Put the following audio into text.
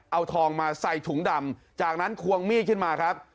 เอาทองมาใส่ถุงดำจากนั้นควงมีดขึ้นมาครับ